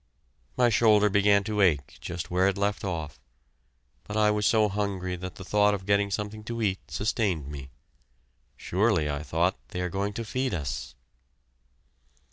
My shoulder began to ache just where it left off, but I was so hungry that the thought of getting something to eat sustained me. Surely, I thought, they are going to feed us!